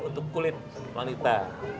untuk kulit wanita